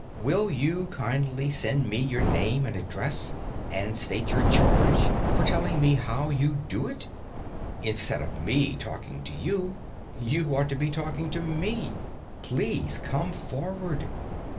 Will you kindly send me your name and address, and state your charge for telling me how you do it? Instead of me talking to you, you ought to be talking to me. Please come forward.